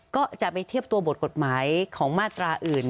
ก็จะไปเทียบตัวบทกฎหมายของมาตราอื่น